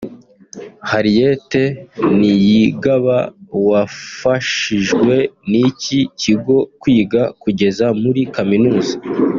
Henriette Niyigaba wafashijwe n’iki kigo kwiga kugeza muri kaminuza